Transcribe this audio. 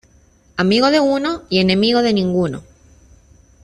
Amigo de uno, y enemigo de ninguno.